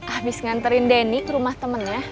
abis nganterin denny ke rumah temennya